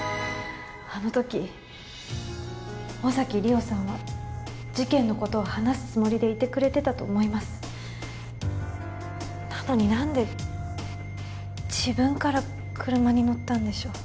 あの時尾崎莉桜さんは事件のことを話すつもりでいてくれてたと思いますなのに何で自分から車に乗ったんでしょう？